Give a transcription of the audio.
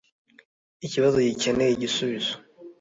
ikibazo gikeneye igisubizo